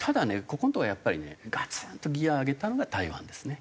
ここのとこはやっぱりねガツンとギア上げたのが台湾ですね。